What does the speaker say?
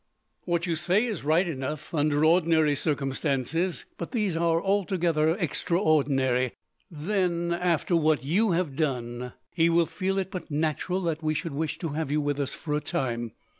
"What you say is right enough, under ordinary circumstances, but these are altogether extraordinary. Then, after what you have done, he will feel it but natural that we should wish to have you with us for a time.